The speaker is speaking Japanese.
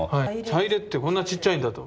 茶入ってこんなちっちゃいんだと。